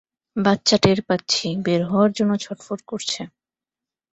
বাচ্চা টের পাচ্ছি, বের হওয়ার জন্য ছটফট করছে।